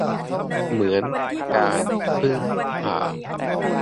เหมือน การ พึ่ง พา